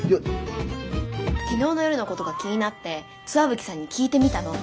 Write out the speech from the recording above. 昨日の夜のことが気になって石蕗さんに聞いてみたの。